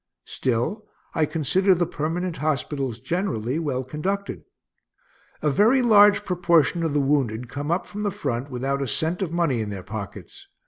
Still, I consider the permanent hospitals, generally, well conducted. A very large proportion of the wounded come up from the front without a cent of money in their pockets.